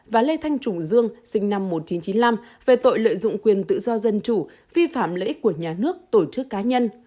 và lê thanh trùng dương về tội lợi dụng quyền tự do dân chủ vi phạm lợi ích của nhà nước tổ chức cá nhân